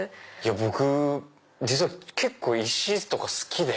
僕実は結構石とか好きで。